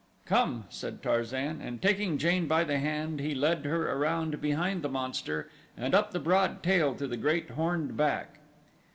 "Come," said Tarzan, and taking Jane by the hand he led her around behind the monster and up the broad tail to the great, horned back.